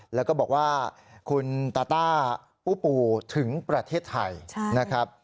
แล้วก็บอกว่าคุณตาต้าปูถึงประเทศไทยนะครับ